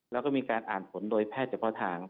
แล้วก็มีการอ่านผลโดยแพทย์เฉพาะทาง